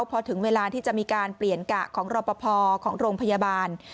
พอถึงเวลาที่จะมีการเปลี่ยนกะของรอปภของโรงพยาบาล